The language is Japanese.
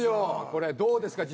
これどうですか？